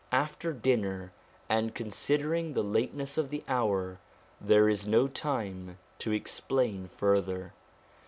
After dinner, and considering the lateness of the hour, there is no time to explain further.